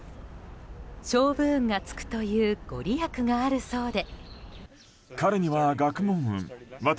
勝負運がつくというご利益があるそうで。